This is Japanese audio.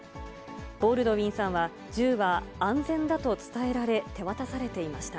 ボールドウィンさんは銃は安全だと伝えられ、手渡されていました。